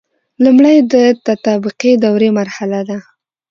لمړی د تطابقي دورې مرحله ده.